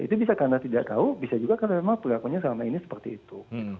itu bisa karena tidak tahu bisa juga karena memang perilakunya selama ini seperti itu